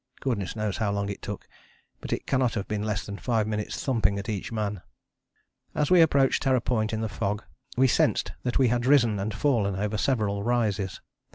Goodness knows how long it took; but it cannot have been less than five minutes' thumping at each man. As we approached Terror Point in the fog we sensed that we had risen and fallen over several rises.